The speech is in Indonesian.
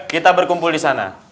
kita berkumpul di sana